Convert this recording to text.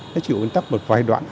nó chỉ ủn tắc một vài đoạn